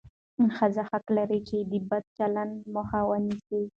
ښځه حق لري چې د بد چلند مخه ونیسي.